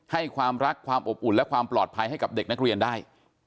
ให้ความรักความอบอุ่นและความปลอดภัยให้กับเด็กนักเรียนได้